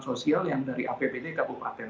sosial yang dari apbd kabupaten